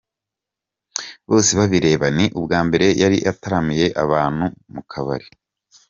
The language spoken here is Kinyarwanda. Bosebabireba ni ubwa mbere yari ataramiye abantu mu kabari.